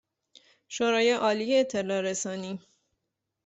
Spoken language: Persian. شورای عالی اطلاع رسانی